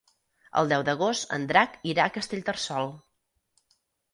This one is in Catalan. El deu d'agost en Drac irà a Castellterçol.